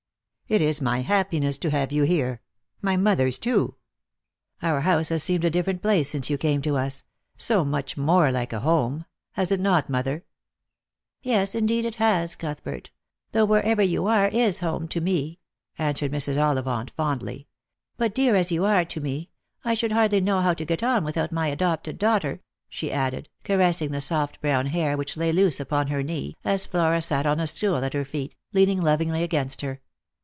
It is my happiness to see you here, my mother's too. Our house has seemed a different place since you came to us — so much more like a home. Has it not, mother ?"" Yes, indeed it has, Cuthbert ; though wherever you are is a home to me," answered Mrs. Ollivant fondly. " But dear as you are to me, I should hardly know how to get on without my adopted daughter," she added, caressing the soft brown hair which lay loose upon her knee as Flora sat on a stool at her feet, leaning lovingly against her.